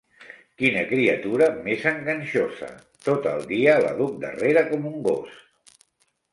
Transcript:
Quina criatura més enganxosa!: tot el dia la duc darrere com un gos.